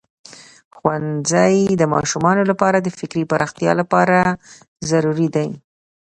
ښوونځی د ماشومانو لپاره د فکري پراختیا لپاره ضروری دی.